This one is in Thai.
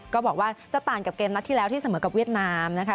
ก็บอกว่าจะต่างกับเกมนัดที่แล้วที่เสมอกับเวียดนามนะคะ